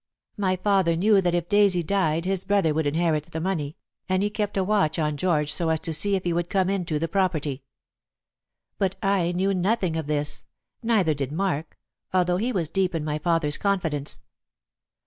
My father knew that if Daisy died his brother would inherit the money, and he kept a watch on George so as to see if he would come into the property. But I knew nothing of this, neither did Mark, although he was deep in my father's confidence.